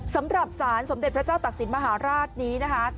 สำหรับสารสมเด็จพระเจ้าตักศิลปมหาราชนี้นะคะ